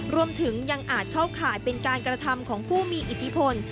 รวมถึงยังอาจเข้าข่ายเป็นการกระทำของผู้มีอิทธิพล